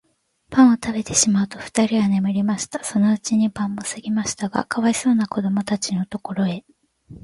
パンをたべてしまうと、ふたりは眠りました。そのうちに晩もすぎましたが、かわいそうなこどもたちのところへ、